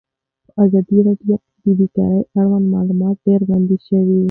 په ازادي راډیو کې د بیکاري اړوند معلومات ډېر وړاندې شوي.